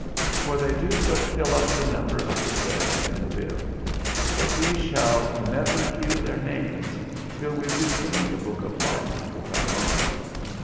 For they do but fill up the number of the dead in the bill, but we shall never hear their names, till we read them in the book of life with our own.